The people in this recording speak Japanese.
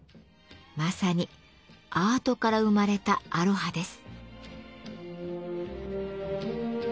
まさにアートから生まれたアロハです。